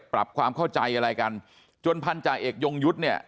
ปรับความเข้าใจอะไรกันจนพันธาเอกยงยุทธ์เนี่ย